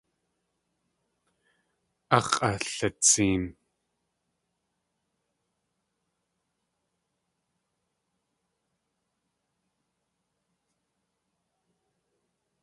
Ax̲ʼalitseen.